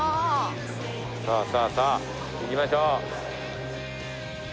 さあさあさあ行きましょう。